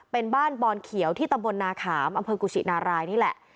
เป็นบ้านบอนเขียวที่ตำบลนาขามอำเภอกุศินารายนี่แหละ